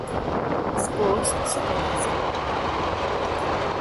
ސްޕޯޓްސް ސްޕަރވައިޒަރ